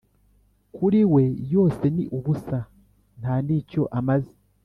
kuri we yose ni ubusa, nta n’icyo amaze.